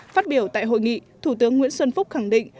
phát biểu tại hội nghị thủ tướng nguyễn xuân phúc khẳng định